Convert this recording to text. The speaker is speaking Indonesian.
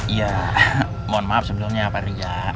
iya mohon maaf sebetulnya pak riza